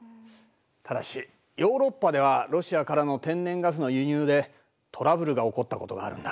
ただしヨーロッパではロシアからの天然ガスの輸入でトラブルが起こったことがあるんだ。